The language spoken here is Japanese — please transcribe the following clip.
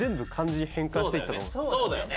そうだよね。